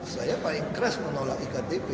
saya paling keras menolak iktp